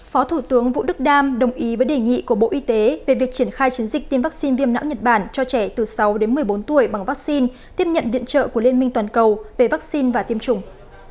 phó thủ tướng vũ đức đam đồng ý với đề nghị của bộ y tế về việc triển khai chiến dịch tiêm vaccine viêm não nhật bản cho trẻ từ sáu đến một mươi bốn tuổi bằng vaccine tiếp nhận viện trợ của liên minh toàn cầu về vaccine và tiêm chủng